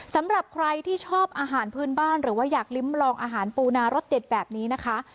สำหรับใครที่ชอบอาหารพื้นบ้านหรือว่าอยากลิ้มลองอาหารปูนารสเด็ดแบบนี้นะคะ